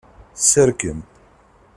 Serkem.